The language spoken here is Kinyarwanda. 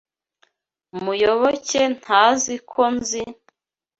Muyoboke ntazi ko nzi.